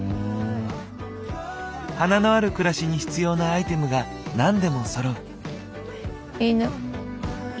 花のある暮らしに必要なアイテムが何でもそろう。